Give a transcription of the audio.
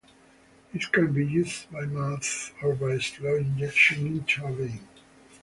It can be used by mouth or by slow injection into a vein.